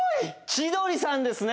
千鳥さんですね